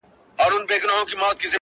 ویل گوره تا مي زوی دئ را وژلی٫